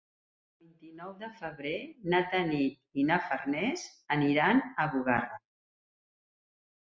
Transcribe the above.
El vint-i-nou de febrer na Tanit i na Farners aniran a Bugarra.